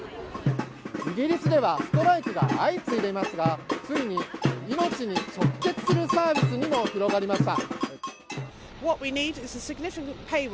イギリスではストライキが相次いでいますがついに命に直結するサービスにも広がりました。